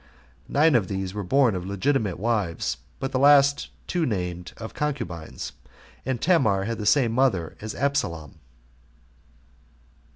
Nine of these were born of legitimate wives, but the two last named of concubines; and Tamar had the same mother with Absalom.